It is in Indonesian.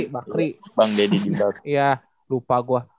bang dedy di bakri iya lupa gue